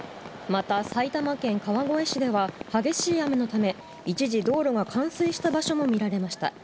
また、埼玉県川越市では、激しい雨のため、一時、道路が冠水した場所も見られました。